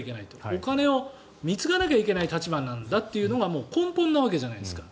お金を貢がなければいけない立場なんだっていうことが根本なわけじゃないですか。